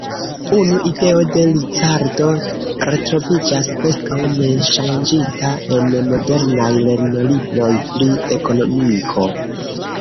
Unu ideo de Ricardo retroviĝas preskaŭ neŝanĝita en modernaj lernolibroj pri ekonomiko.